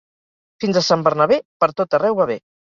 Fins a Sant Bernabé, pertot arreu va bé.